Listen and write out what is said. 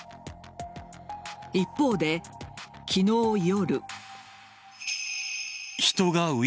一方で昨日夜。